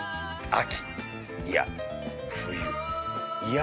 秋！